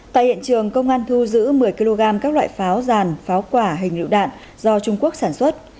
tại hiện trường công an thu giữ một mươi kg các loại pháo giàn pháo quả hình lựu đạn do trung quốc sản xuất